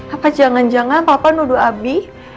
apa jangan jangan papa nuduh abi